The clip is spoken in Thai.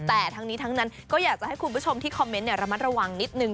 แต่ทั้งนี้ทั้งนั้นก็อยากจะให้คุณผู้ชมที่คอมเมนต์ระมัดระวังนิดนึง